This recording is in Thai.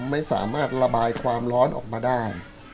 ไม่สามารถระบายความร้อนออกมาได้